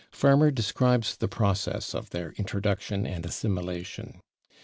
Farmer describes the process of their introduction, and assimilation.